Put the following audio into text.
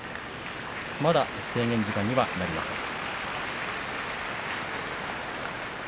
まだ制限時間にはなりません。